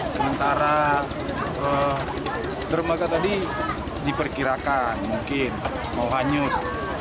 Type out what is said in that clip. sementara dermaga tadi diperkirakan mungkin mau hanyut